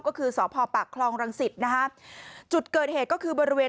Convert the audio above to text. ก็คือสพปากคลองรังสิตนะฮะจุดเกิดเหตุก็คือบริเวณ